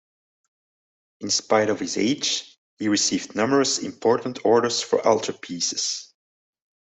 In spite of his age, he received numerous important orders for altarpieces.